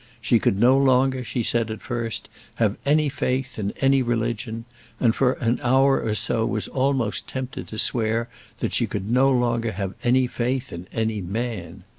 She could no longer, she said at first, have any faith in any religion; and for an hour or so she was almost tempted to swear that she could no longer have any faith in any man.